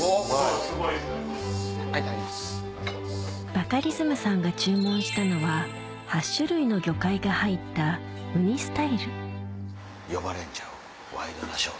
バカリズムさんが注文したのは８種類の魚介が入った呼ばれるんちゃう？